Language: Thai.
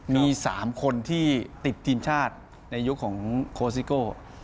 มี๓คนที่ติดทีมชาติในยุคของโคสิโก้